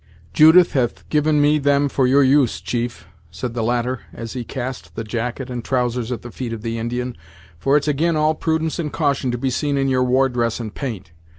"Judith hath given me them for your use, chief," said the latter, as he cast the jacket and trousers at the feet of the Indian, "for it's ag'in all prudence and caution to be seen in your war dress and paint.